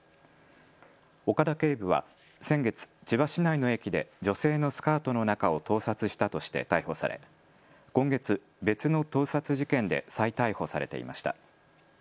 岡田警部は先月、千葉市内の駅で女性のスカートの中を盗撮したとして逮捕され今月、別の盗撮事件で再逮捕されていました。